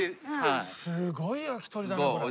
すごい焼き鳥だなこれ。